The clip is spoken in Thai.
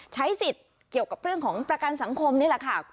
ใช้สิทธิ์เกี่ยวกับเรื่องของประกันสังคมนี่แหละค่ะ